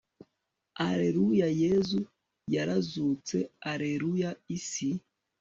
alleluya yezu yarazutse, alleluya isi